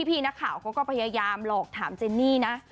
พี่นักข่าวเขาก็พยายามหลอกถามเจนนี่นะ